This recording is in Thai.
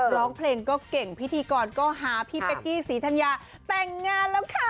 ร้องเพลงก็เก่งพิธีกรก็หาพี่เป๊กกี้ศรีธัญญาแต่งงานแล้วค่ะ